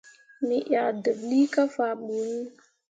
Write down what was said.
Me yah deɓlii kah faa ɓu iŋ.